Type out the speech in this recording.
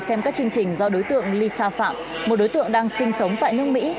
xem các chương trình do đối tượng lisa phạm một đối tượng đang sinh sống tại nước mỹ